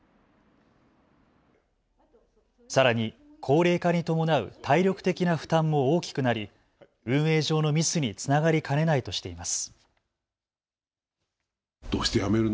さらに高齢化に伴う体力的な負担も大きくなり運営上のミスにつながりかねないとしています。